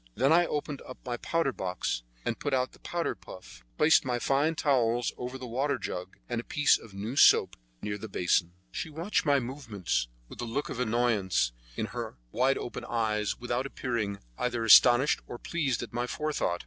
Then I opened my powder box, and put out the powder puff, placed my fine towels over the water jug, and a piece of new soap near the basin. She watched my movements with a look of annoyance in her wide open eyes, without appearing either astonished or pleased at my forethought.